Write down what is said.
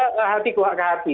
dan lebih hati ke hati